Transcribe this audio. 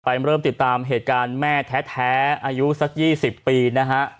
เริ่มติดตามเหตุการณ์แม่แท้อายุสัก๒๐ปีนะฮะ